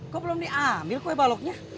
kok belum diambil kue baloknya